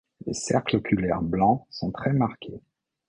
Les cercles oculaires blancs sont très marqués.